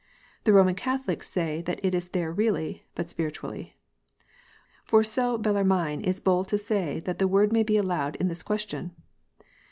The Roman Catholics say that it is there really, but spiritually. For so Eellarmine is bold to say that the word may be allowed in this question.